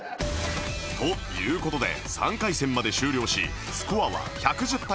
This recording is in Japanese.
という事で３回戦まで終了しスコアは１１０対１４０